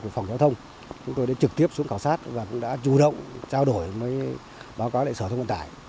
phòng giao thông chúng tôi đã trực tiếp xuống khảo sát và cũng đã chủ động trao đổi với báo cáo lại sở thông vận tải